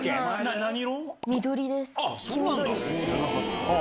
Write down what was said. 何色？